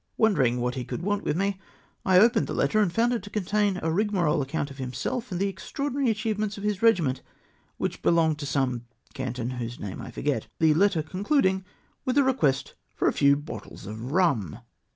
Wondering what he could want with me, I opened the letter, and found it to contain a rigmarole account of himself and the extraordinary achievements of his regiment, which belonged to some canton whose name I forget ; the letter concluding with a request for a few bottles of rum!